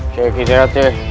saya kisah hati